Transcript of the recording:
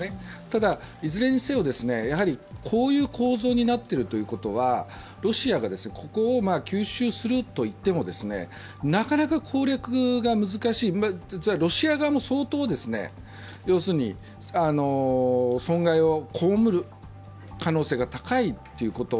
ただ、いずれにせよ、こういう構造になっているということはロシアがここを急襲するといってもなかなか攻略が難しい、ロシア側も相当、損害を被る可能性が高いということ。